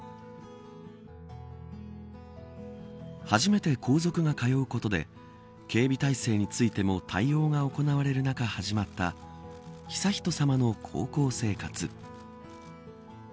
初めて皇族が通うことで警備体制についても対応が行われる中始まった悠仁さまの高校生活。